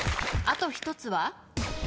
あと１つは？